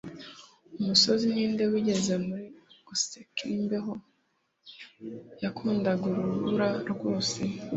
umusozi ninde wigeze muri goosekin imbeho yakundaga urubura rwose